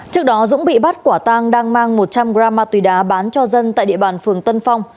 trước đó dũng bị bắt quả tang đang mang một trăm linh g ma túy đá bán cho dân tại địa bàn phường tân phong